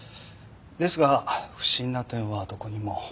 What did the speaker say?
ですが不審な点はどこにも。